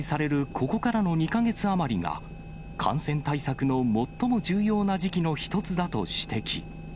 ここからの２か月余りが、感染対策の最も重要な時期の一つだと指摘。